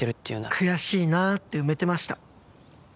「悔しいなぁ」って埋めてました。